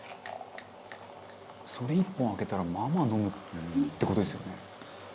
「それ１本空けたらまあまあ飲むって事ですよね」